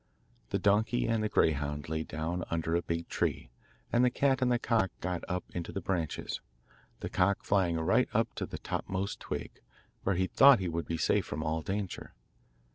The donkey and the greyhound lay down under a big tree, and the cat and the cock got up into the branches, the cock flying right up to the topmost twig, where he thought he would be safe from all danger.